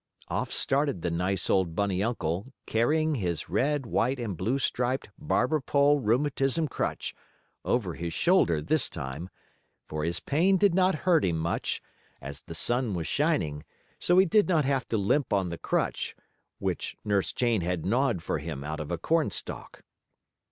Off started the nice, old, bunny uncle, carrying his red, white and blue striped barber pole rheumatism crutch over his shoulder this time. For his pain did not hurt him much, as the sun was shining, so he did not have to limp on the crutch, which Nurse Jane had gnawed for him out of a corn stalk.